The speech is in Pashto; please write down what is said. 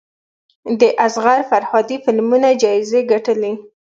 د اصغر فرهادي فلمونه جایزې ګټلي.